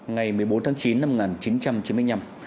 ngày một mươi bốn tháng chín năm một nghìn chín trăm chín mươi năm